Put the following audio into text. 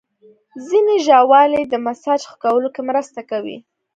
ځینې ژاولې د مزاج ښه کولو کې مرسته کوي.